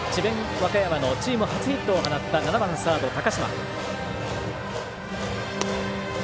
和歌山のチーム初ヒットを放った７番サード、高嶋。